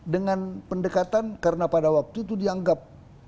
dengan pendekatan karena pada waktu itu dianggap